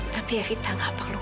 tapi evita nggak percaya